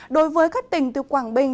đối với các tỉnh từ quảng bình